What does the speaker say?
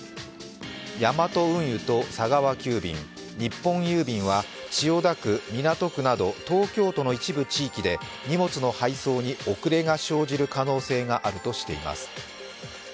ヤマト運輸と佐川急便、日本郵便は千代田区、港区など東京都の一部地域で荷物の配送に遅れが生じる可能性があるとしています。